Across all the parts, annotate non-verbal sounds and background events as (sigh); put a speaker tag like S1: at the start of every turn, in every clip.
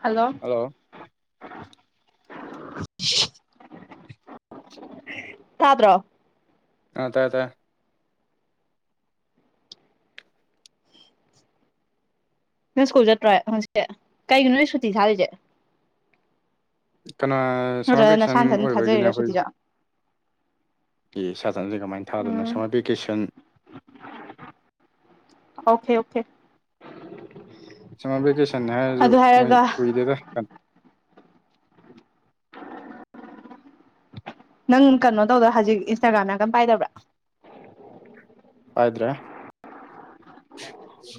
S1: Hello.
S2: Hello.
S1: (inaudible) ꯇꯥꯗ꯭ꯔꯣ꯫
S2: ꯑ ꯇꯥꯏ ꯇꯥꯏ꯫
S1: ꯅꯪ ꯁ꯭ꯀꯨꯜ ꯆꯠꯇ꯭ꯔꫭꯏ ꯉꯁꯤ ꯀꯩꯒꯤꯅꯣ ꯅꯣꯏ ꯁꯨꯇꯤ ꯊꯥꯔꯤꯁꯦ꯫
S2: ꯀꯅꯥ ꯁꯝꯃꯔ
S1: ꯅꯠꯇ꯭ꯔꯒ
S2: ꯚꯦꯀꯦꯁꯟ
S1: ꯅꯁꯥ ꯅꯊꯟ
S2: ꯑꯣꯏꯕꯒꯤꯅꯦ
S1: ꯊꯥꯖꯔꯤꯔꯣ
S2: ꯑꯩꯈꯣꯏ
S1: ꯁꯨꯇꯤꯁꯦ
S2: ꯍꯧꯖꯤꯛ꯫ ꯑꯦ ꯁꯥꯆꯟꯁꯦ ꯀꯃꯥꯏꯅ ꯊꯥꯗꯣꯏꯅꯣ
S1: ꯎꯝ
S2: summer vacation.
S1: (unintelligible) Okay okay (unintelligible)
S2: summer vacation ꯍꯥꯏꯔꯁꯨ
S1: ꯑꯗꯨ
S2: ꯃꯣꯏ
S1: ꯍꯥꯏꯔꯒ
S2: ꯀꯨꯏꯗꯦꯗ ꯀꯟ
S1: ꯅꯪ ꯀꯩꯅꯣ ꯇꯧꯗ ꯍꯧꯖꯤꯛ ꯏꯟꯁꯇꯥꯒ꯭ꯔꯥꯝ ꯌꯥꯝ ꯀꯟ ꯄꯥꯏꯗꯕ꯭ꯔꯥ꯫
S2: ꯄꯥꯏꯗ꯭ꯔꯦ꯫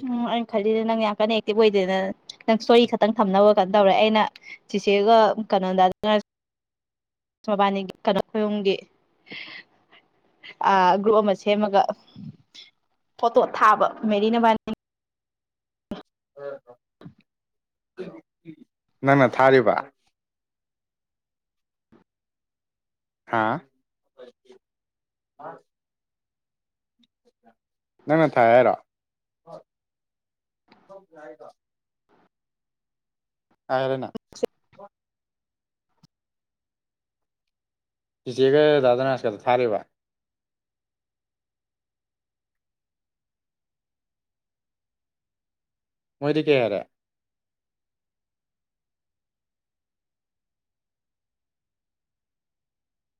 S1: ꯎꯝ ꯑꯩꯅ ꯈꯜꯂꯤꯖꯦ ꯅꯪ ꯌꯥꯝ ꯀꯟꯅ ꯑꯦꯛꯇꯤꯚ ꯑꯣꯏꯗꯦꯅ ꯅꯪ ꯏꯁ꯭ꯇꯣꯔꯤ ꯈꯛꯇꯪ ꯊꯝꯅꯕ ꯀꯩꯅꯣ ꯇꯧꯔꯦ ꯑꯩꯅ ꯆꯤꯆꯦꯒ ꯀꯩꯅꯣꯗ (inaudible) ꯃꯕꯥꯅꯤꯒꯤ ꯀꯩꯅꯣ ꯈꯨꯌꯨꯝꯒꯤ ꯑ ꯒ꯭ꯔꯨꯞ ꯑꯃ ꯁꯦꯝꯃꯒ ꯐꯣꯇꯣ ꯊꯥꯕ ꯃꯦꯔꯤ ꯅꯕꯥꯅꯤ
S2: (unintelligible) ꯅꯪꯅ ꯊꯥꯔꯤꯕ꯫ ꯍꯥꯥ (inaudible) (inaudible) ꯅꯪꯅ ꯊꯥꯏ ꯍꯥꯏꯔꯣ (unintelligible) ꯍꯥꯏꯔꯅ
S1: (inaudible)
S2: ꯆꯤꯆꯦꯒ ꯗꯥꯗꯅꯅꯥꯁ ꯀꯗ ꯊꯥꯔꯤꯕ꯫ ꯃꯣꯏꯗꯤ ꯀꯩ ꯍꯥꯏꯔꯦ꯫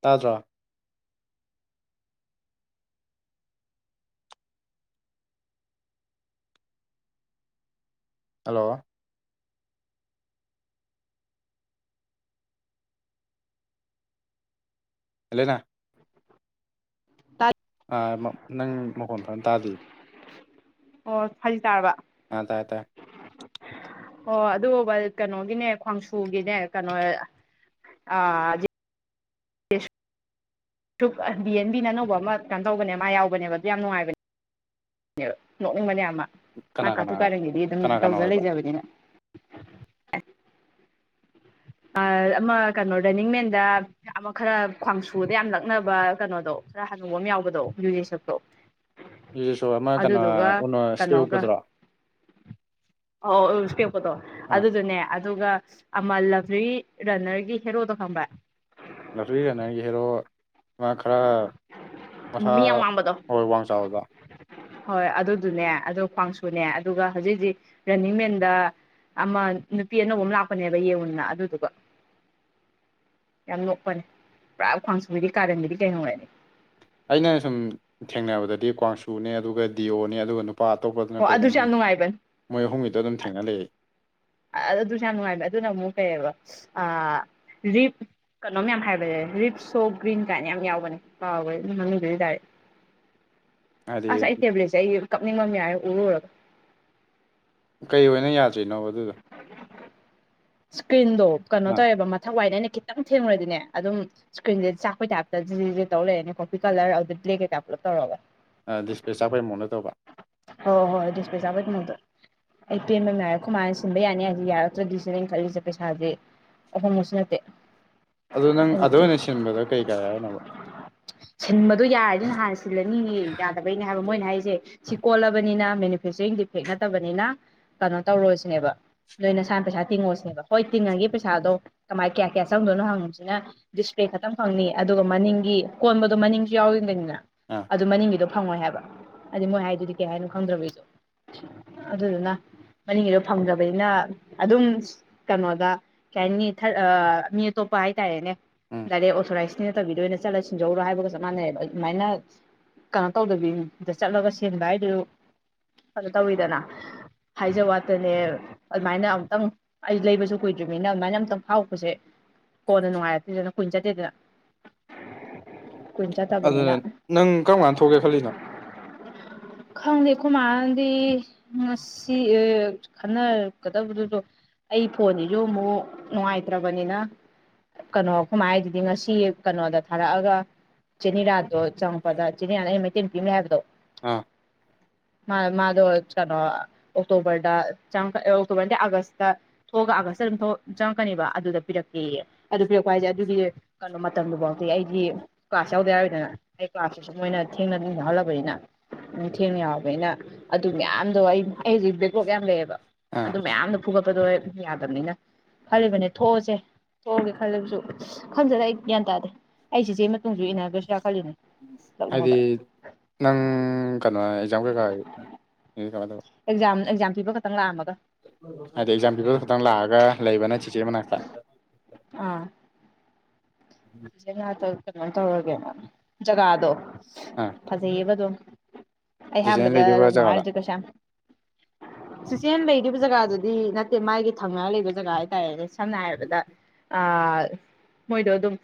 S2: ꯇꯥꯗ꯭ꯔꯣ꯫ ꯍꯜꯂꯣ꯫ ꯍꯦꯜꯂꯦꯅꯥ꯫
S1: ꯇꯥ
S2: ꯑꯥ ꯃ ꯅꯪ ꯃꯈꯣꯟ ꯐꯖꯅ ꯇꯥꯗꯦ꯫
S1: ꯑꯣ ꯐꯖꯤ ꯇꯥꯔꯕ꯫
S2: ꯑ ꯇꯥꯏ ꯇꯥꯏ꯫
S1: ꯑꯣ ꯑꯗꯨ ꯕꯜ ꯀꯩꯅꯣꯒꯤꯅꯦ ꯈ꯭ꯋꯥꯡꯁꯨꯒꯤꯅꯦ ꯀꯩꯅꯣ ꯑꯥ ꯖꯤ ꯇꯨꯞ ꯕꯤ ꯑꯦꯟ ꯕꯤ ꯑꯅꯧꯕ ꯑꯃ ꯀꯩꯅꯣ ꯇꯧꯕꯅꯦ ꯃꯥ ꯌꯥꯎꯕꯅꯦꯕ ꯑꯗꯨ ꯌꯥꯝ ꯅꯨꯡꯉꯥꯏꯕꯅꯦ꯫ ꯅꯣꯛꯅꯤꯡꯕꯅꯦ ꯌꯥꯝ
S2: ꯀꯅꯥ
S1: ꯃꯥ
S2: ꯀꯅꯥ
S1: ꯀꯥꯇꯨ ꯀꯥꯔꯟꯒꯤꯗꯤ ꯑꯗꯨꯝ
S2: ꯀꯅꯥ ꯀꯅꯥ
S1: ꯇꯧꯖ
S2: ꯑꯣꯏꯕ
S1: ꯂꯩꯖꯕꯅꯤꯅ꯫ ꯑ ꯑꯃ ꯀꯩꯅꯣ ꯔꯅꯤꯡꯃꯦꯟꯗ ꯑꯃ ꯈꯔ ꯈ꯭ꯋꯥꯡꯁꯨꯗ ꯌꯥꯝ ꯂꯛꯅꯕ ꯀꯩꯅꯣꯗꯣ ꯈꯔ ꯍꯅꯨꯕ ꯑꯃ ꯌꯥꯎꯕꯗꯣ ꯌꯨꯌꯦꯁꯛꯇꯣ꯫
S2: ꯌꯨꯌꯦꯁꯣꯔ ꯑꯃ ꯀꯩꯅꯣ ꯎꯅꯣ ꯏꯁ꯭ꯄꯦꯛ ꯎꯞꯄꯗꯨꯔꯣ꯫
S1: ꯑꯣꯑꯣꯑꯣ ꯏꯁ꯭ꯄꯦꯛ ꯎꯞꯄꯗꯣ
S2: ꯑꯥ
S1: ꯑꯗꯨꯗꯨꯅꯦ ꯑꯗꯨꯒ ꯑꯃ ꯂꯛ ꯔꯤ ꯔꯟꯅꯔꯒꯤ ꯍꯦꯔꯣꯗꯣ ꯈꯪꯕ꯭ꯔꯥ꯫
S2: ꯂꯛꯔꯤ ꯔꯅꯔꯒꯤ ꯍꯦꯔꯣ ꯃꯥ ꯈꯔ ꯃꯁꯥ
S1: ꯃꯤ ꯌꯥꯝ ꯋꯥꯡꯕꯗꯣ
S2: ꯍꯣꯏ ꯋꯥꯡ ꯆꯥꯎꯋꯦꯕ
S1: ꯍꯣꯏ ꯑꯗꯨꯗꯨꯅꯦ ꯑꯗꯨ ꯈꯋꯥꯡꯁꯨꯅꯦ ꯑꯗꯨꯒ ꯍꯧꯖꯤꯛ ꯍꯧꯖꯤꯛ ꯔꯟꯅꯤꯡ ꯃꯦꯟꯗ ꯑꯃ ꯅꯨꯄꯤ ꯑꯅꯧꯕ ꯑꯃ ꯂꯥꯛꯄꯅꯦꯕ ꯌꯦꯡꯉꯨꯅ ꯑꯗꯨꯗꯨꯒ ꯌꯥꯝ ꯅꯣꯛꯄꯅꯦ ꯄꯨꯔꯥ ꯈꯋꯥꯡꯁꯨꯕꯤꯗꯤ ꯀꯥꯔꯟꯒꯤꯗꯤ ꯀꯩꯅꯣ ꯑꯩ
S2: ꯑꯩꯅ ꯁꯨꯝ ꯊꯦꯡꯅꯕꯗꯗꯤ ꯀꯋꯥꯡꯁꯨꯅꯦ ꯑꯗꯨꯒ ꯗꯤꯌꯣꯅꯦ ꯑꯗꯨꯒ ꯅꯨꯄꯥ ꯑꯇꯣꯞꯄꯗꯨꯅ
S1: ꯍꯣ
S2: ꯀꯩꯗꯣ
S1: ꯑꯗꯨꯁꯨ ꯌꯥꯝ ꯅꯨꯡꯉꯥꯏꯕꯅꯤ
S2: ꯃꯣꯏ ꯑꯍꯨꯝꯒꯤꯗꯣ ꯑꯗꯨꯝ ꯊꯦꯡꯅ ꯂꯩꯌꯦ
S1: ꯑꯗꯨꯁꯨ ꯌꯥꯝ ꯅꯨꯡꯉꯥꯏꯕ ꯑꯗꯨꯅ ꯑꯃꯨꯛ ꯀꯩꯑꯕ ꯑꯥ ꯔꯤꯞ ꯀꯩꯅꯣꯝ ꯃꯌꯥꯝ ꯍꯥꯏꯕꯅꯦ ꯔꯤꯞꯁꯣ ꯒ꯭ꯔꯤꯟ ꯀꯥꯏꯅ ꯌꯥꯝ ꯌꯥꯎꯕꯅꯦ ꯀꯥꯎꯒꯔꯦ ꯃꯃꯤꯡꯗꯨꯗꯤ ꯗꯥꯏꯔꯦꯛ
S2: ꯍꯥꯏꯗꯤ
S1: ꯑꯁ ꯑꯩ ꯇꯦꯕ꯭ꯂꯦꯠꯁꯦ ꯑꯩ ꯀꯞꯅꯤꯡꯕ ꯑꯃ ꯌꯥꯎꯋꯦ ꯎꯔ ꯎꯔꯒ
S2: ꯀꯩ ꯑꯣꯏꯅ ꯌꯥꯗꯔꯤꯅꯣ
S1: ꯏꯁꯀ꯭ꯔꯤꯟꯗꯣ ꯀꯩꯅꯣ ꯇꯧꯋꯦꯕ ꯃꯊꯛ ꯋꯥꯏꯗ ꯑꯩꯅ ꯈꯤꯇ ꯈꯤꯇꯪ ꯊꯦꯡꯉꯨꯔꯗꯤꯅꯦ ꯑꯗꯨꯝ ꯏꯁꯀ꯭ꯔꯤꯟꯁꯦ ꯆꯥꯛꯄꯩ ꯇꯥꯏꯞꯇ ꯖꯤꯔꯤ ꯇꯧꯔ ꯂꯩꯔꯅꯤ ꯀꯣꯐꯤ ꯀꯂꯔ ꯑꯗꯨꯗ ꯕ꯭ꯂꯦꯛꯀꯩ ꯀꯥ ꯄꯨꯂꯞ ꯇꯧꯔꯒ
S2: ꯗꯤꯁꯄ꯭ꯂꯦ ꯆꯥꯛꯄꯩ ꯃꯑꯣꯡꯗ ꯇꯧꯕ
S1: ꯍꯣꯏ ꯍꯣꯏ ꯗꯤꯁꯄꯂꯦ ꯆꯥꯛꯄꯩ ꯃꯑꯣꯡꯗ ꯑꯩ ꯄꯦꯟꯕ ꯅꯥꯏꯔꯔꯣꯏ ꯑꯩꯈꯣꯏ ꯃꯥꯅ ꯁꯤꯟꯕ ꯌꯥꯅꯤ ꯍꯥꯏꯗꯤ ꯌꯥꯔꯛꯇ꯭ꯔꯗꯤ ꯁꯤꯅꯦ ꯑꯩꯅ ꯈꯜꯂꯤꯁꯦ ꯄꯩꯁꯥꯥꯁꯦ ꯑꯍꯣꯡꯕꯁꯨ ꯅꯠꯇꯦ
S2: ꯑꯗꯨꯗꯣ ꯅꯪ
S1: ꯑꯩ
S2: ꯑꯗꯨꯗ ꯑꯣꯏꯅ ꯁꯤꯟꯕꯗꯣ ꯀꯩ ꯀꯥꯏ ꯍꯥꯏꯅꯣꯕ
S1: ꯁꯤꯟꯕꯗꯣ ꯌꯥꯔꯗꯤ ꯅꯍꯥꯟꯅ ꯁꯤꯜꯂꯅꯤ ꯌꯥꯗꯕꯩꯅꯦ ꯍꯥꯏꯕ ꯃꯣꯏꯅ ꯍꯥꯏꯔꯤꯁꯦ ꯁꯤ ꯀꯣꯜꯂꯕꯅꯤꯅ ꯃꯦꯅꯨꯐꯦꯛꯆꯔꯤꯡ ꯗꯤꯐꯦꯛ ꯅꯠꯇꯕꯅꯤꯅ ꯇꯧꯔꯣꯏꯁꯤꯅꯦꯕ ꯅꯣꯏ ꯅꯁꯥꯅ ꯄꯩꯁꯥ ꯇꯤꯡꯉꯣꯁꯤꯅꯦꯕ ꯍꯣꯏ ꯇꯤꯡꯉꯒꯦ ꯄꯩꯁꯥꯗꯣ ꯀꯃꯥꯏ ꯀꯌꯥ ꯀꯌꯥ ꯆꯪꯗꯣꯏꯅꯣ ꯍꯪꯕꯁꯤꯅ ꯗꯤꯁꯄ꯭ꯂꯦ ꯈꯛꯇꯪ ꯐꯪꯅꯤ ꯑꯗꯨꯒ ꯃꯅꯤꯡꯒꯤ ꯀꯣꯟꯕꯗꯣ ꯃꯅꯤꯡꯁꯨ ꯌꯥꯎꯔꯤꯕꯅꯤꯅ
S2: ꯑꯥ
S1: ꯑꯗꯨ ꯃꯅꯤꯡꯒꯤꯗꯣ ꯐꯪꯉꯣꯏ ꯍꯥꯏꯕ ꯍꯥꯏꯗꯤ ꯃꯣꯏ ꯍꯥꯏꯗꯨꯗꯤ ꯀꯩ ꯍꯥꯏꯅꯣ ꯈꯪꯗ꯭ꯔꯕ ꯑꯩꯁꯨ ꯑꯗꯨꯗꯨꯅ ꯃꯅꯤꯡꯒꯤꯗꯣ ꯐꯪꯗꯕꯅꯤꯅ ꯑꯗꯨꯝ ꯀꯩꯅꯣꯗ ꯀꯩ ꯍꯥꯏꯅꯤ ꯊꯥꯔꯗ ꯃꯤ ꯑꯇꯣꯞꯄ ꯍꯥꯏꯇꯥꯔꯦꯅꯦ
S2: ꯎꯝ
S1: ꯗꯥꯏꯔꯦꯛ ꯑꯣꯊꯣꯔꯥꯏꯁ ꯇꯧꯕꯤꯗꯣꯏꯅ ꯆꯠꯂ ꯁꯤꯟꯖꯧꯔꯣ ꯍꯥꯏꯕꯒ ꯆꯞ ꯃꯥꯟꯅꯩꯕ ꯑꯗꯨꯃꯥꯏꯅ ꯀꯩꯅꯣ ꯇꯧꯗꯕꯤꯗ ꯆꯠꯂꯒ ꯁꯤꯟꯕ ꯍꯥꯏꯗꯨ ꯀꯩꯅꯣ ꯇꯧꯋꯤꯗꯅ ꯍꯥꯏꯖꯕ ꯋꯥꯠ ꯅꯦ ꯑꯗꯨꯃꯥꯏꯅ ꯑꯃꯝꯛꯇꯪ ꯑꯩ ꯂꯩꯕꯁꯨ ꯀꯨꯏꯗ꯭ꯔꯤꯕꯃꯤꯅ ꯑꯗꯨꯃꯥꯏꯅ ꯑꯝꯇꯪ ꯐꯥꯎꯔꯛꯄꯁꯦ ꯀꯣꯟꯅ ꯅꯨꯡꯉꯥꯏꯔꯛꯇꯦꯗꯅ ꯀꯨꯏꯅ ꯆꯠꯇꯦꯗꯅ ꯀꯨꯏꯅ
S2: ꯑꯗꯨꯅ
S1: ꯆꯠꯇꯕꯅꯤꯅ
S2: ꯅꯪ ꯀꯔꯝ ꯀꯥꯟꯗ ꯊꯣꯛꯀꯦ ꯈꯜꯂꯤꯅꯣ
S1: ꯈꯪꯗꯦ ꯑꯈꯣꯏ ꯃꯥꯗꯤ ꯉꯁꯤ ꯑ ꯈꯟꯅꯔꯛꯀꯗꯕꯗꯨꯁꯨ ꯑꯩ ꯐꯣꯟꯁꯤꯁꯨ ꯑꯃꯨꯛ ꯅꯨꯡꯉꯥꯏꯇ꯭ꯔꯕꯅꯤꯅ ꯀꯩꯅꯣ ꯑꯩꯈꯣꯏ ꯃꯥꯅ ꯍꯥꯏꯁꯤꯗꯤ ꯉꯁꯤ ꯀꯩꯅꯣꯗ ꯊꯥꯔꯛꯑꯒ ꯆꯦ ꯅꯤꯔꯥꯗꯣ ꯆꯪꯉꯛꯄꯗ ꯆꯦ ꯅꯤꯔꯥꯅ ꯑꯃ ꯃꯩꯇꯩ ꯅꯨꯄꯤ ꯂꯩ ꯍꯥꯏꯕꯗꯣ
S2: ꯑꯥ
S1: ꯃꯥ ꯃꯥꯗꯣ ꯀꯩꯅꯣ ꯑꯣꯛꯇꯣꯕꯔꯗ ꯑꯣꯛꯇꯣꯕꯔꯗ ꯑꯥꯒꯁꯇ ꯊꯣꯛꯑꯒ ꯑꯥꯒꯁꯇ ꯑꯗꯨꯝ ꯆꯪꯉꯛꯀꯅꯦꯕ ꯑꯗꯨꯗ ꯄꯤꯔꯛꯀꯦꯌꯦ ꯑꯗꯨꯗ ꯄꯤꯔꯛꯄ ꯍꯥꯏꯁꯦ ꯑꯗꯨꯗꯤ ꯀꯩꯅꯣ ꯃꯇꯝꯗꯨꯐꯥꯎꯗꯤ ꯑꯩꯗꯤ ꯀꯂꯥꯁ ꯌꯥꯎꯗ ꯌꯥꯔꯣꯏꯗꯅ ꯑꯩ ꯀꯂꯥꯁꯁꯤꯁꯨ ꯃꯣꯏꯅ ꯊꯦꯡꯅ ꯑꯗꯨꯝ ꯌꯥꯎꯍꯜꯂꯕꯅꯤꯅ ꯊꯦꯡꯅ ꯌꯥꯎꯕꯅꯤꯅ ꯑꯗꯨ ꯃꯌꯥꯝꯗꯣ ꯑꯩ ꯑꯩ ꯍꯧꯖꯤꯛ ꯕꯦꯛ ꯂꯣꯛ ꯌꯥꯝ ꯂꯩꯌꯦꯕ
S2: ꯑꯥ
S1: ꯑꯗꯨ ꯃꯌꯥꯝꯗꯣ ꯐꯨꯒꯠꯄꯗꯣ ꯌꯥꯗꯕꯅꯤꯅ ꯈꯜꯂꯤꯕꯅꯦ ꯊꯣꯛꯑꯁꯦ ꯊꯣꯛꯑꯒꯦ ꯈꯜꯂꯕꯁꯨ ꯈꯪꯗꯦꯗ ꯑꯩ ꯒ꯭ꯌꯥꯟ ꯇꯥꯗꯦ ꯑꯩ ꯆꯦꯆꯦ ꯃꯇꯨꯡꯁꯨ ꯏꯟꯅꯒꯔꯁꯤꯔ ꯈꯜꯂꯤꯅꯦ
S2: ꯍꯥꯏꯗꯤ
S1: ꯂꯛꯅꯧꯗ
S2: ꯅꯪ ꯀꯩꯅꯣ ꯑꯦꯛꯖꯥꯝ ꯀꯩꯀꯥ ꯀꯃꯥꯏꯅ ꯇꯧꯕ
S1: ꯑꯦꯛꯖꯥꯝ ꯑꯦꯛꯖꯥꯝ ꯄꯤꯕ ꯈꯛꯇꯪ ꯂꯥꯛꯑꯃꯒ
S2: ꯍꯥꯏꯗꯤ ꯑꯦꯛꯖꯥꯝ ꯄꯤꯕ ꯈꯛꯇꯪ ꯂꯥꯛꯑꯒ ꯂꯩꯕꯅ ꯆꯤꯆꯦ ꯃꯅꯥꯛꯇ
S1: ꯑꯥ (unintelligible)
S2: (unintelligible)
S1: ꯀꯩꯅꯣ ꯇꯧꯔꯒꯦꯔ ꯖꯒꯥꯗꯣ
S2: ꯑꯥ
S1: ꯐꯖꯩꯌꯦꯕ ꯑꯗꯨꯝ ꯑꯩ
S2: ꯆꯤꯆꯦꯅ
S1: ꯑꯍꯥꯟꯕꯗ ꯂꯧ
S2: ꯂꯩꯗꯣꯏꯕ ꯖꯒꯥꯗ
S1: ꯅꯨꯡꯉꯥꯏꯔꯗ꯭ꯔꯦ ꯀꯩꯁꯥ ꯆꯤꯆꯦꯟ ꯂꯩꯔꯤꯕ ꯖꯒꯥꯗꯨꯗꯤ ꯅꯠꯇꯦ ꯃꯥꯒꯤ ꯊꯪꯅꯔ ꯂꯩꯕ ꯖꯒꯥ ꯍꯥꯏꯇꯥꯔꯦꯅꯦ ꯁꯝꯅ ꯍꯥꯏꯔꯕꯗ ꯑ ꯃꯣꯏꯗꯣ ꯑꯗꯨꯝ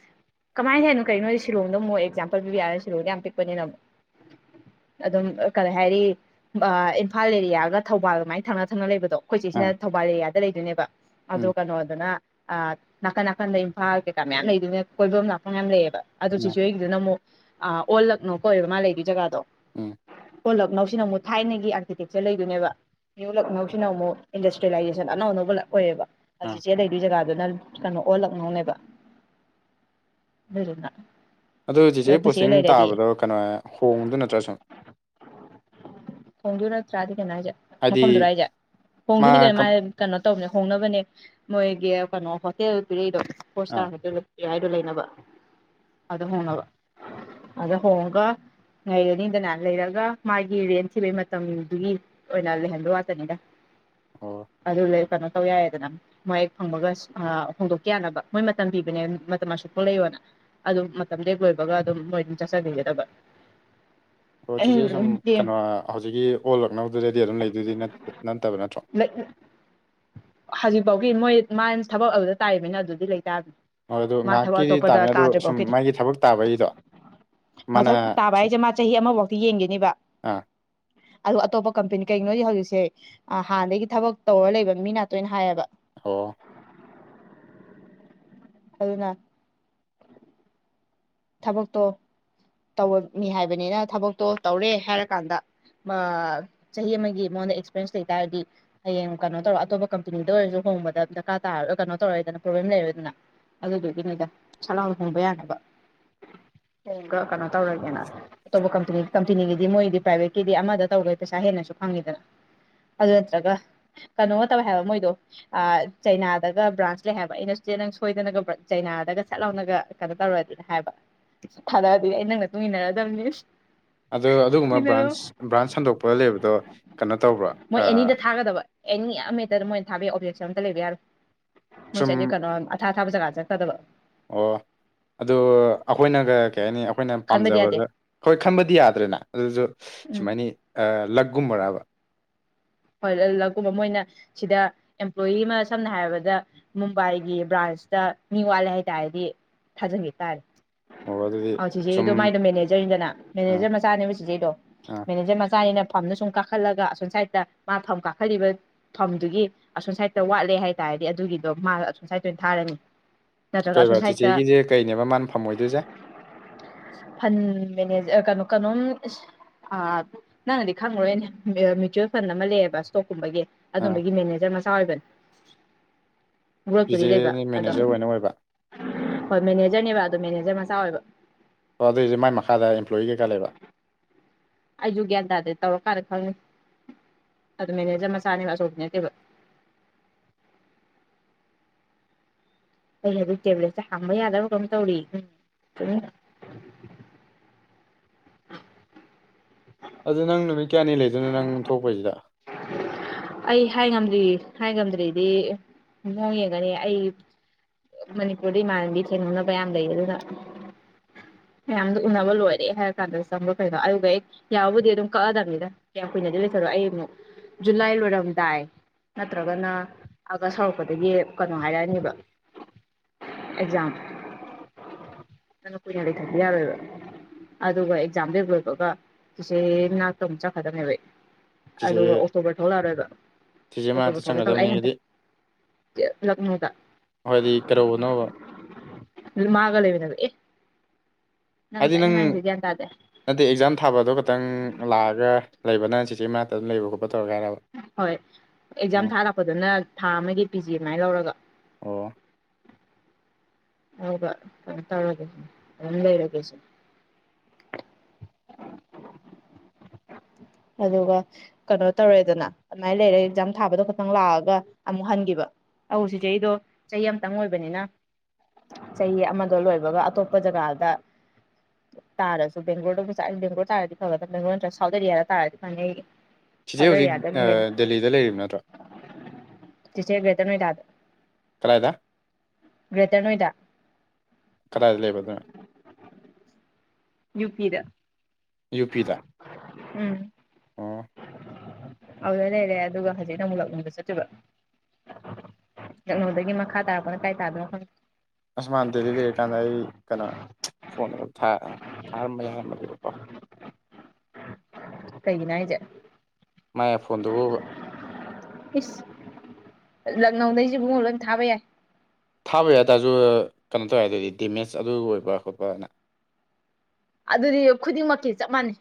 S1: ꯀꯃꯥꯏꯅ ꯍꯥꯏꯅꯣ ꯀꯩꯅꯣ ꯁꯤꯂꯣꯛꯗꯃꯨꯛ ꯑꯣꯏ ꯑꯦꯛꯖꯥꯝꯄꯟ ꯄꯤꯕ ꯌꯥꯔꯦ ꯁꯤꯂꯣꯡꯗ ꯌꯥꯝ ꯄꯤꯛꯄꯅꯤꯅ ꯑꯗꯨꯝ ꯀꯔꯤ ꯍꯥꯏꯔꯤ ꯏꯝꯐꯥꯜ ꯑꯦꯔꯤꯌꯥꯒ ꯊꯧꯕꯥꯜ ꯑꯗꯨꯃꯥꯏꯅ ꯊꯪꯅ ꯊꯪꯅ ꯂꯩꯕꯗꯣ ꯑꯩꯈꯣꯏ
S2: ꯑꯥ
S1: ꯆꯦꯁꯤꯅ ꯊꯧꯕꯥꯜ ꯑꯦꯔꯤꯌꯥꯗ ꯂꯩꯗꯣꯏꯅꯦꯕ ꯑꯗꯣ
S2: ꯎꯝ
S1: ꯀꯩꯅꯣꯗꯨꯅ ꯑ ꯅꯥꯀꯟ ꯅꯥꯀꯟꯗ ꯏꯝꯐꯥꯜ ꯀꯩꯀꯥ ꯃꯌꯥꯝ ꯂꯩꯗꯨꯅ ꯀꯣꯏꯕꯝ ꯂꯥꯛꯄ ꯃꯌꯥꯝ ꯂꯩꯌꯦꯕ ꯑꯗꯨ
S2: ꯎꯝ
S1: ꯁꯤꯁꯨ ꯑꯗꯨꯅ ꯑꯃꯨꯛ ꯑꯣꯜꯂꯛꯅꯧ ꯀꯣ ꯑꯣꯏꯕ ꯃꯥ ꯂꯩꯕ ꯖꯒꯥꯗꯣ
S2: ꯎꯝ
S1: ꯑꯣꯜ ꯂꯛꯅꯧꯁꯤꯅ ꯑꯃꯨꯛ ꯊꯥꯏꯅꯒꯤ ꯑꯥꯔꯀꯤꯇꯦꯛꯆꯔ ꯂꯩꯗꯣꯏꯅꯦꯕ ꯅ꯭ꯌꯨ ꯂꯛꯅꯧꯁꯤꯅ ꯑꯃꯨꯛ ꯏꯟꯗꯁꯇ꯭ꯔꯤꯌꯦꯂꯥꯏꯖꯦꯁꯟ ꯑꯅꯧ ꯑꯅꯧꯕ ꯂ ꯑꯣꯏꯌꯦꯕ ꯍ
S2: ꯑꯥ
S1: ꯆꯤꯆꯦ ꯂꯩꯗꯨꯏ ꯖꯒꯥꯗꯨꯅ ꯀꯩꯅꯣ ꯑꯣꯜꯂꯛꯅꯧꯅꯦꯕ (unintelligible)
S2: ꯑꯗꯣ ꯆꯤꯆꯦ
S1: ꯑꯩꯈꯣꯏ ꯆꯦ
S2: ꯄꯣꯁꯇꯤꯡ
S1: ꯂꯩꯔꯗꯤ
S2: ꯇꯥꯕꯗꯣ ꯀꯩꯅꯣ ꯍꯣꯡꯗꯣ ꯅꯠꯇ꯭ꯔ ꯁꯨꯝ
S1: ꯊꯣꯡꯗꯨꯏ ꯅꯇ꯭ꯔꯥꯗꯤ ꯀꯩꯅꯣ ꯍꯥꯏꯁꯦ
S2: ꯍꯥꯏꯗꯤ
S1: ꯃꯐꯝꯗꯨꯔ ꯍꯥꯏꯁꯦ
S2: ꯃꯥ
S1: ꯈꯣꯡꯗꯣꯏꯅꯤ ꯀꯩꯅꯣ
S2: ꯀꯝ
S1: ꯃꯥꯥꯏ ꯀꯩꯅꯣ ꯇꯧꯕꯅꯦ ꯍꯣꯡꯅꯕꯅꯦ ꯃꯣꯏꯒꯤ ꯀꯩꯅꯣ ꯍꯣꯇꯦꯜ ꯄꯤꯔꯛꯏꯗꯣ ꯐꯣꯔꯠ
S2: ꯑꯥ
S1: ꯏꯁꯇꯥꯔ ꯍꯣꯇ ꯍꯥꯏꯗꯣ ꯂꯩꯅꯕ ꯑꯗ ꯍꯣꯡꯅꯕ ꯑꯗ ꯍꯣꯡꯉꯒ ꯂꯩꯔꯅꯤꯗꯅ ꯂꯩꯔꯒ ꯃꯥꯒꯤ ꯔꯦꯟ ꯊꯤꯕꯩ ꯃꯇꯝꯗꯨꯒꯤ ꯑꯣꯏꯅ ꯂꯩ ꯍꯟꯕꯩ ꯋꯥꯇꯥꯅꯤꯗ
S2: ꯑꯣ
S1: ꯑꯗꯨ ꯂꯩ ꯀꯩꯅꯣ ꯇꯧ ꯌꯥꯏꯗꯅ ꯃꯍꯦꯛ ꯐꯪꯕꯒ ꯍꯣꯡꯗꯣꯛꯈꯤ ꯌꯥꯅꯕ ꯃꯣꯏ ꯃꯇꯝ ꯄꯤꯕꯅꯦ ꯃꯇꯝ ꯑꯁꯨꯛ ꯄꯨꯛꯂꯩꯌꯣꯅ ꯑꯗꯨꯝ ꯃꯇꯝ ꯍꯦꯛ ꯂꯣꯏꯕꯒ ꯑꯗꯨꯝ ꯃꯣꯏ ꯑꯗꯨꯝ ꯆꯠꯆꯈꯤꯒꯗꯕ
S2: ꯑꯣ ꯆꯤꯆꯦ ꯁꯨꯝ ꯀꯩꯅꯣ ꯍꯧꯖꯤꯛꯀꯤ ꯑꯣꯜꯂꯛꯅꯧꯕꯗꯨꯗꯗꯤ ꯑꯗꯨꯝ ꯂꯩꯗꯨꯗꯤ ꯅꯠꯇꯕ ꯅꯠꯇ꯭ꯔꯣ
S1: (unintelligible) ꯍꯧꯖꯤꯛꯐꯥꯎꯒꯤ ꯃꯣꯏ ꯃ ꯊꯕꯛ ꯑꯗꯨꯗ ꯇꯥꯔꯤꯕꯅꯤꯅ ꯑꯗꯨꯗꯤ ꯂꯩꯇꯥꯕꯅꯤ
S2: ꯑꯣ ꯑ ꯑꯗꯨ ꯉꯥꯏꯍꯥꯛꯀꯤꯗꯤ ꯇꯥꯕꯅꯦ ꯑꯗꯣ ꯁꯨꯝ ꯃꯥꯒꯤ ꯊꯕꯛ ꯇꯥꯕꯒꯤꯗꯣ ꯃꯥꯅ
S1: ꯃꯊꯛ ꯇꯥꯕ
S2: ꯁꯨꯝ
S1: ꯍꯥꯏꯁꯦ ꯃꯥ ꯆꯍꯤ ꯑꯃꯐꯧꯗꯤ ꯌꯦꯡꯒꯤꯅꯤꯕ
S2: ꯑꯥ
S1: ꯑꯗꯨ ꯑꯇꯣꯞꯄ ꯀꯝꯄꯅꯤ ꯀꯩꯒꯤꯅꯣꯗꯤ ꯍꯧꯖꯤꯛꯁꯦ ꯑ ꯍꯥꯟꯅꯗꯒꯤ ꯊꯕꯛ ꯇꯧꯔ ꯂꯩꯕ ꯃꯤ ꯇꯣꯏꯅ ꯍꯥꯏꯌꯦꯕ
S2: ꯑꯣ
S1: ꯑꯗꯨꯅ ꯊꯕꯛꯇꯣ ꯇꯧꯔꯝꯃꯤ ꯍꯥꯏꯕꯅꯤꯅ ꯊꯕꯛꯇꯣ ꯇꯧꯔꯦ ꯍꯥꯏꯔꯀꯥꯟꯗ ꯆꯍꯤ ꯑꯃꯒꯤ ꯃꯉꯣꯟꯗ ꯑꯦꯛꯁꯄꯤꯔꯦꯟꯁ ꯂꯩ ꯇꯥꯔꯗꯤ ꯍꯌꯦꯡ ꯀꯩꯅꯣ ꯇꯧꯔ ꯑꯇꯣꯞꯄ ꯀꯝꯄꯅꯤꯗ ꯑꯣꯏꯔꯁꯨ ꯍꯣꯡꯕꯗ ꯗꯔꯀꯥꯔ ꯇꯔꯒ ꯀꯩꯅꯣ ꯇꯧꯔꯣꯏꯗꯅ ꯄ꯭ꯔꯣꯕ꯭ꯂꯦꯝ ꯂꯩꯔꯣꯏꯗꯅ ꯑꯗꯨꯗꯨꯒꯤꯅꯤꯗ ꯁꯠꯂꯥꯎ ꯍꯣꯡꯕ ꯌꯥꯅꯕ ꯍꯌꯦꯡꯒ ꯀꯩꯅꯣ ꯇꯧꯔꯦꯒꯦꯅ ꯑꯇꯣꯞꯄ ꯀꯝꯄꯅꯤꯒꯤꯗꯤ ꯃꯣꯏꯗꯤ ꯄ꯭ꯔꯥꯏꯚꯦꯠꯀꯤꯗꯤ ꯑꯃꯗ ꯇꯧꯗꯦ ꯄꯩꯁꯥ ꯍꯦꯟꯅꯁꯨ ꯐꯪꯉꯤꯗꯅ ꯑꯗꯨ ꯅꯠꯇ꯭ꯔꯒ ꯀꯩꯅꯣꯒ ꯇꯧꯋꯦ ꯍꯥꯏꯕ ꯃꯣꯏꯗꯣ ꯑ ꯆꯩꯅꯥꯗꯒ ꯕ꯭ꯔꯥꯟꯁ ꯂꯩ ꯍꯥꯏꯕ ꯑꯩꯅꯁꯨ ꯅꯪ ꯁꯣꯏꯗꯅꯒ ꯆꯩꯅꯥꯗꯒ ꯁꯠꯍꯧꯅꯒ ꯀꯩꯅꯣ ꯇꯧꯔ ꯍꯥꯏꯕ ꯊꯥꯔꯛꯑꯗꯤ ꯑꯩ ꯅꯪ ꯃꯇꯨꯡ ꯏꯟꯅꯔꯗꯕꯅꯤ
S2: ꯑꯗꯣ ꯑꯗꯨꯒꯨꯝꯕ
S1: ꯏꯟꯅꯔꯣ
S2: ꯕ꯭ꯔꯥꯟꯁ ꯕ꯭ꯔꯥꯟꯁ ꯁꯟꯗꯣꯛꯄ ꯂꯩꯕꯗꯣ ꯀꯩꯅꯣ ꯇꯧꯕ꯭ꯔ
S1: ꯃꯣꯏ ꯑꯦꯅꯤꯗ ꯊꯥꯒꯗꯕ ꯑꯦꯅꯤ ꯑꯃꯍꯦꯛꯇꯗ ꯃꯣꯏꯅ ꯊꯥꯕ ꯌꯥꯏ ꯑꯣꯞꯖꯦꯛꯁꯟ ꯑꯝꯇ ꯂꯩꯕ ꯌꯥꯔꯣꯏ ꯃꯣꯏꯁꯦ
S2: ꯁꯨꯝ
S1: ꯑꯩ ꯀꯩꯅꯣ ꯊꯥ ꯊꯥꯕ ꯖꯒꯥ ꯆꯠꯀꯗꯕ
S2: ꯑꯣ ꯑꯗꯨ ꯑꯩꯈꯣꯏꯅꯒ ꯀꯩ ꯍꯥꯏꯅꯤ ꯑꯩꯈꯣꯏꯅ
S1: ꯈꯟꯕꯗꯤ ꯌꯥꯗꯦ
S2: ꯄꯥꯝꯖꯕꯗ ꯍꯣꯏ ꯈꯟꯕꯗꯤ ꯌꯥꯗ꯭ꯔꯦꯅ ꯑꯗꯨꯁꯨ
S1: ꯎꯝ
S2: ꯁꯨꯃꯥꯏꯅ ꯂꯛꯀꯨꯝꯕꯔꯕ
S1: ꯍꯣꯏ ꯂꯛꯀꯨꯝꯕ ꯃꯣꯏꯅ ꯁꯤꯗ ꯑꯦꯝꯄ꯭ꯂꯣꯌꯤ ꯑꯃ ꯁꯝꯅ ꯍꯥꯏꯔꯕꯗ ꯃꯨꯝꯕꯥꯏꯒꯤ ꯕ꯭ꯔꯥꯟꯁꯇ ꯃꯤꯋꯥꯂꯦ ꯍꯥꯏꯇꯥꯔꯗꯤ ꯊꯥꯖꯟꯈꯤꯇꯥꯥꯔꯦ
S2: ꯑꯗꯨꯗꯤ
S1: ꯑꯣ
S2: ꯁꯨꯝ
S1: ꯆꯤꯆꯦꯒꯤꯗꯣ ꯃꯥꯏꯗꯣ ꯃꯦꯅꯦꯖꯔꯅꯤꯗꯅ
S2: ꯑꯥ
S1: ꯃꯦꯅꯦꯖꯔ ꯃꯆꯥꯅꯦꯕ ꯆꯤꯆꯦꯗꯣ
S2: ꯑꯥ
S1: ꯃꯦꯅꯦꯖꯔ ꯃꯆꯥꯅꯤꯅ ꯐꯝꯅ ꯁꯨꯝ ꯀꯥꯈꯠꯂꯒ ꯑꯁꯣꯝ ꯁꯥꯏꯗꯠꯇ ꯃꯥꯥꯅ ꯐꯝ ꯀꯥꯈꯠꯂꯤꯕ ꯐꯝꯗꯨꯒꯤ ꯑꯁꯣꯝ ꯁꯥꯏꯗ ꯋꯥꯠꯂꯦ ꯍꯥꯏꯇꯥꯥꯔꯗꯤ ꯑꯗꯨꯒꯤꯗꯣ ꯃꯥ ꯑꯁꯣꯝ ꯁꯥꯏꯗꯠꯇ ꯑꯣꯏꯅ ꯊꯥꯔꯅꯤ ꯅꯠꯇ꯭ꯔꯒ ꯑꯁꯣꯝ
S2: ꯀꯩꯕ
S1: ꯁꯥꯏꯗꯠꯇ
S2: ꯆꯤꯆꯦꯒꯤꯁꯦ ꯀꯩꯅꯦꯕ ꯃꯥꯅ ꯐꯝꯑꯣꯏꯗꯣꯏꯁꯦ
S1: ꯐꯟ ꯃꯦꯅꯦꯖꯔ ꯀꯩꯅꯣ ꯀꯩꯅꯣꯝ ꯑ ꯅꯪꯅꯗꯤ ꯈꯪꯉꯣꯏꯅꯦ ꯃ꯭ꯨꯇꯋꯦꯜ ꯐꯟ ꯑꯃ ꯂꯩꯑꯕ ꯏꯁꯇꯣꯛꯀꯨꯝꯕꯒꯤ
S2: ꯑꯥ
S1: ꯑꯗꯨꯝꯕꯒꯤ ꯃꯦꯅꯦꯖꯔ ꯃꯆꯥ ꯑꯣꯏꯕꯅꯦ ꯒ꯭ꯔꯣꯠꯄꯨꯗꯤ ꯂꯩꯕ
S2: ꯆꯤꯆꯦꯅ
S1: ꯑꯗꯣ
S2: ꯃꯦꯅꯦꯖꯔ ꯑꯣꯏꯅ ꯑꯣꯏꯕ
S1: ꯍꯣꯏ ꯃꯦꯅꯦꯖꯔꯅꯦꯕ ꯑꯗꯣ ꯃꯦꯅꯦꯖꯔ ꯃꯆꯥ ꯑꯣꯏꯕ
S2: ꯑꯣ ꯑꯗꯨꯑꯣꯏꯗꯤ ꯃꯥꯏ ꯃꯈꯥꯗ ꯑꯄ꯭ꯂꯣꯌꯤ ꯀꯩꯀꯥ ꯂꯩꯕ
S1: ꯑꯩꯁꯨ ꯒ꯭ꯌꯥꯟ ꯇꯥꯗꯦ ꯇꯧꯔꯀꯥꯟꯗ ꯈꯪꯅꯤ ꯑꯗꯨ ꯃꯦꯅꯦꯖꯔ ꯃꯆꯥꯅꯦꯕ ꯑꯆꯧꯕꯗꯤ ꯅꯠꯇꯦꯕ ꯑꯩ ꯍꯧꯖꯤꯛ ꯇꯦꯕ꯭ꯂꯦꯠꯁꯦ ꯍꯥꯡꯕ ꯌꯥꯗꯕ ꯀꯩꯅꯣ ꯇꯧꯔꯤꯌꯧ
S2: ꯑꯗꯨ ꯅꯪ ꯅꯨꯃꯤꯠ ꯀꯌꯥꯅꯤ ꯂꯩꯗꯅ ꯅꯪ ꯊꯣꯛꯄꯁꯤꯗ
S1: (inaudible) ꯑꯩ ꯍꯥꯏ ꯉꯝꯗ꯭ꯔꯤꯌꯦ ꯍꯥꯏ ꯉꯝꯗ꯭ꯔꯤꯗꯤ ꯃꯣꯏ ꯌꯦꯡꯒꯅꯤ ꯑꯩ ꯃꯅꯤꯄꯨꯔꯗ ꯏꯃꯥꯟꯅꯕꯤ ꯊꯦꯡꯅꯅꯕ ꯌꯥꯝ ꯂꯩꯌꯦꯕ ꯑꯗꯨꯅ ꯃꯌꯥꯝꯗꯣ ꯎꯅꯕ ꯂꯣꯏꯔꯦ ꯍꯥꯏꯔ ꯀꯥꯟꯗ ꯆꯪꯕ꯭ꯔꯣ ꯀꯩꯅꯣ ꯑꯗꯨꯒ ꯍꯦꯛ ꯌꯥꯔꯕꯨꯗꯤ ꯑꯗꯨꯝ ꯀꯛꯑꯗꯕꯅꯤꯅ ꯀꯌꯥꯝ ꯀꯨꯏꯅꯗꯤ ꯂꯩꯊꯔꯣꯏ ꯑꯩ ꯑꯃꯨꯛ ꯖꯨꯂꯥꯏ ꯂꯣꯏꯔꯝꯗꯥꯏ ꯅꯠꯇ꯭ꯔꯒꯅ ꯑꯒꯁ ꯍꯧꯛꯄꯗꯒꯤ ꯀꯩꯅꯣ ꯍꯥꯏꯔꯛꯑꯅꯤꯕ ꯑꯦꯛꯖꯥ ꯑꯗꯨꯅ ꯀꯨꯏꯅ ꯂꯩꯊꯕ ꯌꯥꯔꯣꯏꯕ ꯑꯗꯨꯒ ꯑꯦꯛꯖꯥꯝꯗꯣ ꯍꯦꯛ ꯂꯣꯏꯕꯒ ꯆꯤꯆꯦꯒꯤ ꯃꯅꯥꯛꯇ ꯑꯃꯨꯛ ꯆꯠꯈ꯭ꯔꯗꯕꯅꯦꯕ ꯑꯩ
S2: ꯆꯤꯆꯦ
S1: ꯑꯗꯨꯒ ꯑꯣꯛꯇꯣꯕꯔ ꯊꯣꯛꯂꯛꯑꯔꯣꯏꯕ
S2: ꯆꯤꯆꯦ ꯃꯅꯥꯛꯇ ꯆꯪꯒ꯭ꯔꯗꯕꯅꯦ ꯍꯥꯏꯗꯤ
S1: ꯂꯛꯅꯦꯕꯥ
S2: ꯍꯥꯏꯗꯤ ꯀꯩꯗꯧꯕꯅꯣꯕ
S1: ꯑꯗꯨ ꯃꯥꯒ ꯂꯩꯃꯤꯟꯅꯕ ꯑꯦ ꯅꯪꯁꯦ
S2: ꯍꯥꯏꯗꯤ
S1: ꯑꯩꯅ
S2: ꯅꯪ
S1: ꯉꯥꯡꯉꯤꯁꯦ ꯒ꯭ꯌꯥꯟ ꯇꯗꯦ
S2: ꯅꯠꯇꯦ ꯑꯦꯛꯖꯥꯝ ꯊꯥꯕꯗꯣ ꯈꯛꯇꯪ ꯂꯥꯛꯑꯒ ꯂꯩꯕꯅ ꯆꯤꯆꯦ ꯃꯅꯥꯛꯇ ꯑꯗꯨꯝ ꯂꯩꯕ ꯈꯣꯠꯄ ꯇꯧꯔꯒꯦ ꯍꯥꯏꯔꯕ
S1: ꯍꯣꯏ ꯑꯦꯛꯖꯥꯝ
S2: ꯑꯣ
S1: ꯊꯥ ꯂꯥꯛꯄꯗꯅ ꯊꯥ ꯑꯃꯒꯤ ꯄꯤ ꯖꯤ ꯑꯗꯨꯃꯥꯏꯅ ꯂꯧꯔꯒ
S2: ꯑꯣ
S1: ꯍꯥꯏꯕ ꯗꯨꯃꯥꯏ ꯇꯧꯔꯒꯦ ꯗꯨꯝ ꯂꯩꯒꯦ ꯑꯩꯁꯨ ꯑꯗꯨꯒ ꯀꯩꯅꯣ ꯇꯧꯔꯦꯗꯅ ꯑꯗꯨꯃꯥꯏꯅ ꯂꯩꯔꯦ ꯑꯦꯛꯖꯥꯝ ꯊꯥꯕꯗꯣ ꯈꯇꯪ ꯂꯥꯛꯑꯒ ꯑꯃꯨꯛ ꯍꯟꯈꯤꯕ ꯑꯧ ꯆꯤꯆꯦꯒꯤꯗꯣ ꯆꯍꯤ ꯑꯃꯇꯪ ꯑꯣꯏꯕꯅꯤꯅ ꯆꯍꯤ ꯑꯃꯗꯣ ꯂꯣꯏꯕꯒ ꯑꯇꯣꯞꯄ ꯖꯒꯥꯗ ꯇꯥꯔꯁꯨ ꯕꯦꯡꯒ꯭ꯂꯣꯔꯗ ꯕꯦꯡꯒ꯭ꯂꯣꯔ ꯇꯥꯔꯗꯤ ꯐꯒꯗꯕꯅꯦ ꯕꯦꯡꯒ꯭ꯂꯣꯔ ꯅꯠꯇ꯭ꯔ ꯁꯥꯎꯠ ꯑꯦꯔꯤꯌꯥ ꯇꯥꯔꯗꯤ ꯐꯅꯤ ꯑꯩꯒꯤ
S2: ꯆꯤꯆꯦ ꯍꯧꯖꯤꯛ ꯑ ꯗꯦꯜꯂꯤꯗ ꯂꯩꯔꯤꯕ ꯅꯠꯇ꯭ꯔꯣ
S1: ꯆꯤꯆꯦ ꯒ꯭ꯔꯦꯇꯔ ꯅꯣꯏꯗꯥꯗ
S2: ꯀꯔꯥꯏꯗ
S1: ꯔꯦꯇꯔ ꯅꯣꯏꯗꯥ
S2: ꯀꯗꯥꯏꯗ ꯂꯩꯕ ꯑꯗꯨꯅ
S1: ꯌꯨ ꯄꯤꯗ
S2: ꯌꯨ ꯄꯤꯗ
S1: ꯎꯝ
S2: ꯑꯣ
S1: ꯑꯗꯨꯗ ꯂꯩꯔꯦ ꯑꯗꯨꯒ ꯍꯧꯖꯤꯛꯅ ꯑꯃꯨꯛ ꯂꯛꯅꯨꯡꯗ ꯆꯠꯇꯣꯏꯕ ꯂꯛꯅꯨꯗꯒꯤ ꯃꯈꯥ ꯇꯥꯔꯛꯄꯅ ꯀꯥꯏ ꯇꯥꯗꯅꯣ ꯈꯪꯗꯦ
S2: ꯑꯁ ꯃꯥꯅ ꯗꯦꯜꯂꯤ ꯂꯩꯔꯤꯀꯥꯟꯗ ꯑꯩ ꯀꯩꯅꯣ ꯐꯣꯟꯒ ꯊꯥ ꯑ ꯊꯥꯔꯝꯕ ꯌꯥꯔꯝꯃꯗꯤꯕꯀꯣ
S1: ꯀꯩꯒꯤꯅ ꯍꯥꯏꯖꯦ
S2: ꯃꯥꯏ ꯑꯥꯏ ꯐꯣꯟꯗꯨꯕꯣꯕ
S1: ꯏꯁ ꯂꯛꯅꯧꯗꯩꯁꯤ ꯏꯕꯨꯡꯉꯣ ꯂꯣꯏ ꯊꯥꯕ ꯌꯥꯏ
S2: ꯊꯥꯕ ꯌꯥꯇꯥꯔꯁꯨ ꯀꯩꯅꯣ ꯇꯧꯋꯦ ꯍꯥꯏ ꯑꯗꯨꯗꯤ ꯗꯦꯃꯦꯖ ꯑꯗꯨ ꯑꯣꯏꯕ ꯈꯣꯠꯄꯅ
S1: ꯑꯗꯨꯗꯤ ꯈꯨꯗꯤꯡꯃꯛꯀꯤ ꯆꯞ ꯃꯥꯟꯅꯩ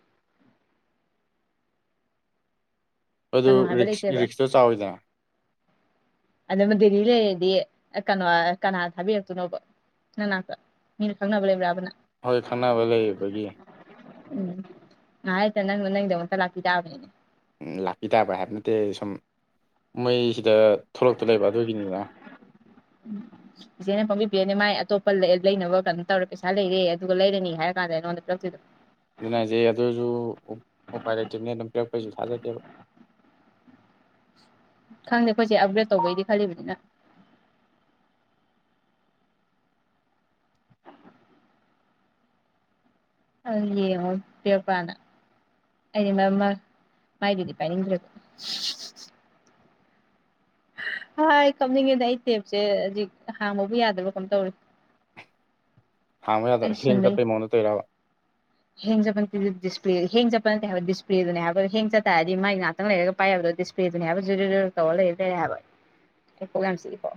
S2: ꯑꯗꯨ
S1: ꯀꯩꯅꯣ ꯍꯥꯏꯕ
S2: ꯔꯤꯛꯁ
S1: ꯂꯩꯇꯦꯕ
S2: ꯔꯤꯛꯁꯇꯣ ꯆꯥꯎꯋꯤꯗꯅ
S1: ꯑꯗꯨꯕ ꯗꯦꯜꯂꯤ ꯂꯩꯔꯗꯤ ꯑ ꯀꯩꯅꯣ ꯀꯅꯥ ꯊꯥꯕꯤꯔꯛꯇꯣꯏꯅꯣꯕ ꯅꯪ ꯅꯥꯛꯇ ꯃꯤꯅ ꯈꯪꯅꯕ ꯂꯩꯕ꯭ꯔꯥꯕꯅ
S2: ꯍꯣꯏ ꯈꯪꯅꯕ ꯂꯩꯕꯒꯤ
S1: ꯎꯝ ꯉꯍꯥꯛꯂꯩꯇ ꯅꯪꯅ ꯅꯪꯒꯤ ꯗꯃꯛꯇ ꯂꯥꯛꯄꯤ ꯇꯥꯕꯅꯤꯅꯦ
S2: ꯂꯥꯛꯄꯤ ꯇꯥꯕ ꯍꯥꯏꯕ ꯅꯠꯇꯦ ꯁꯨꯝ ꯃꯩꯁꯤꯗ ꯊꯣꯛꯂꯛꯇꯣ ꯂꯩꯕ ꯑꯗꯨꯒꯤꯅꯤꯅ
S1: ꯎꯝ ꯏꯆꯦꯅ ꯄꯪꯕꯤ ꯄꯤꯔꯅꯦ ꯃꯥꯏ ꯑꯇꯣꯞꯄ ꯂꯩ ꯂꯩꯅꯕ ꯀꯩꯅꯣ ꯇꯧꯔꯦ ꯄꯩꯁꯥ ꯂꯩꯔꯦ ꯑꯗꯨꯒ ꯂꯩꯔꯅꯤ ꯍꯥꯏꯔ ꯀꯥꯟꯗ ꯅꯉꯣꯟꯗ ꯄꯤꯔꯛꯇꯨꯏꯗꯣ
S2: ꯑꯗꯨꯅꯦ ꯍꯥꯏꯖꯦ ꯑꯗꯨꯁꯨ ꯑꯣ ꯑꯣꯄꯥꯏꯔꯩꯇꯦꯅꯦ ꯑꯗꯨꯝ ꯄꯤꯔꯛꯄꯩꯁꯨ ꯊꯥꯖꯗꯦꯕ
S1: ꯈꯪꯗꯦ ꯑꯈꯣꯏꯆꯦ ꯑꯞꯒ꯭ꯔꯦꯗ ꯇꯧꯗꯣꯏꯗꯤ ꯈꯜꯂꯤꯕꯅꯤꯅ ꯑꯗꯣ ꯌꯦꯡꯉꯣ ꯄꯤꯔꯛꯄ꯭ꯔꯅ ꯑꯩꯗꯤ ꯃꯥꯏ ꯃ ꯃꯥꯏꯗꯨꯗꯤ ꯄꯥꯏꯅꯤꯡꯗ꯭ꯔꯦꯕ ꯍꯥ ꯑꯩ ꯀꯞꯅꯤꯡꯉꯦꯗ ꯑꯩ ꯇꯦꯞꯁꯦ ꯍꯧꯖꯤꯛ ꯍꯥꯡꯕꯕꯨ ꯌꯥꯗ꯭ꯔꯥꯕ ꯀꯝ ꯇꯧꯔꯦ
S2: ꯍꯥꯡꯕ
S1: ꯑꯩ
S2: ꯌꯥꯗꯕ ꯍꯦꯡ
S1: ꯁꯤꯟꯕꯩ
S2: ꯆꯠꯄꯩ ꯃꯉꯣꯟꯗ ꯇꯣꯏꯔꯕ
S1: ꯍꯦꯡ ꯆꯠꯄ ꯅꯠꯇꯦ ꯗꯤꯁꯄ꯭ꯔꯦ ꯍꯦꯡ ꯆꯠꯄ ꯅꯠꯇꯦ ꯍꯥꯏꯕ ꯗꯤꯁꯄ꯭ꯂꯦꯗꯨꯅꯦ ꯍꯥꯏꯕ ꯍꯦꯡ ꯆꯠ ꯇꯥꯔꯗꯤ ꯃꯥꯏ ꯉ ꯇꯪ ꯂꯩꯔꯒ ꯄꯥꯏ ꯍꯥꯏꯕꯗꯣ ꯗꯤꯁꯄ꯭ꯂꯦꯗꯨꯅꯤ ꯍꯥꯏꯕ (unintelligible) ꯇꯧ ꯂꯩꯔ ꯂꯩꯔꯦ ꯍꯥꯏꯕ ꯑꯩ ꯀꯣꯛ ꯌꯥꯝ ꯆꯤꯛꯏꯀꯣ